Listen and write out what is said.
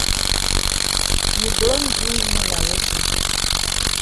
You don do yi na weti?